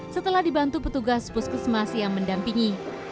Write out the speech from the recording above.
setelah dibantu petugas bus kesemasi yang mendampingi